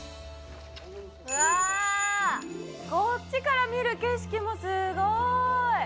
うわ、こっちから見る景色もすごい！